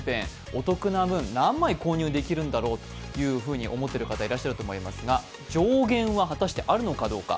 お得な分、何枚購入できるんだろうと思っている方がいらっしゃると思いますが上限は果たしてあるのかどうか。